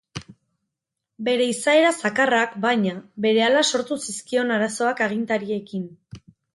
Bere izaera zakarrak, baina, berehala sortu zizkion arazoak agintariekin.